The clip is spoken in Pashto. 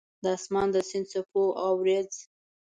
د اسمان د سیند څپو کې اوریځ